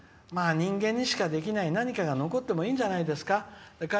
人間にしかできない何かが残ってもいいんじゃないですか。